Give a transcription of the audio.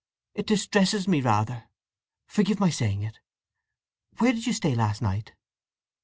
"It distresses me, rather. Forgive my saying it! … Where did you stay last night?"